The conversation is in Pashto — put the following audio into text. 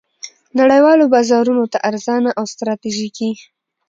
نړیوالو بازارونو ته ارزانه او ستراتیژیکې